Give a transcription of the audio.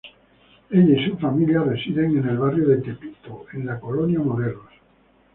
Ella y su familia residen en el Barrio de Tepito en la Colonia Morelos.